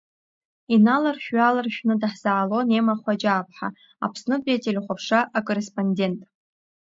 Иналаршә-ҩаларшәны даҳзаалон Емма Хәаџьаа-ԥҳа, Аԥснытәи ателехәаԥшра акорреспондент.